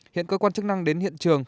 hiện có quan chức năng đến hiện trường